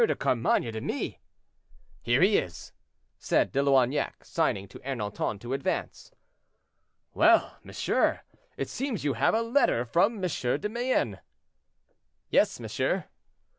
de Carmainges to me." "Here he is," said De Loignac, signing to Ernanton to advance. "Well, monsieur, it seems you have a letter from M. de Mayenne." "Yes, monsieur."